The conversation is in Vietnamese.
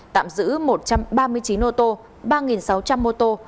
tạm giữ một trăm ba mươi chín ô tô ba sáu trăm linh mô tô